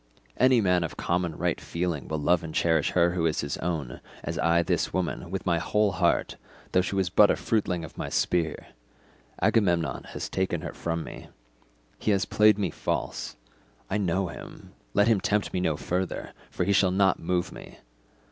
Any man of common right feeling will love and cherish her who is his own, as I this woman, with my whole heart, though she was but a fruitling of my spear. Agamemnon has taken her from me; he has played me false; I know him; let him tempt me no further, for he shall not move me.